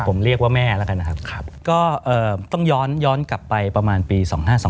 ผมเรียกว่าแม่แล้วกันนะครับก็ต้องย้อนกลับไปประมาณปี๒๕๒